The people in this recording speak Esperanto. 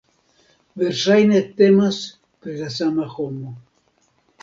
Verŝajne temas pri la sama homo.